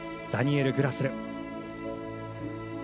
ダニエル・グラスル。